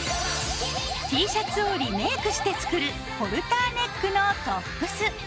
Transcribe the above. Ｔシャツをリメイクして作るホルターネックのトップス。